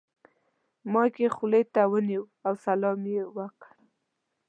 مایک یې خولې ته ونیو او سلام یې وکړ.